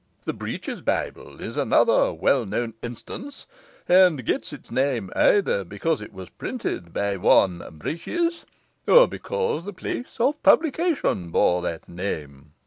The "Breeches Bible" is another well known instance, and gets its name either because it was printed by one Breeches, or because the place of publication bore that name.